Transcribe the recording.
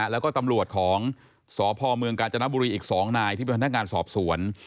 แล้วก็ตำรวจของสพเมืองกาญจนบุรีอีก๒นายที่เป็นพนักงานสอบสวน